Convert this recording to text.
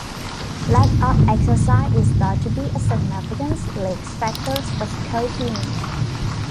Lack of exercise is thought to be a significant risk factor for sarcopenia.